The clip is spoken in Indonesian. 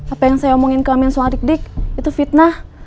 apa yang saya omongin ke amin soal dik dik itu fitnah